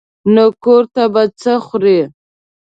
نو کور ته به څه خورې.